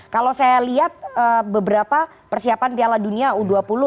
kalau saya lihat beberapa persiapan piala dunia u dua puluh